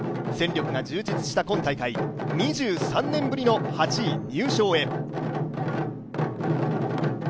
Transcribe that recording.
戦力が充実した今大会２３年ぶりの８位入賞へ。